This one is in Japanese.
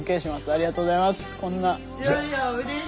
ありがとうございます。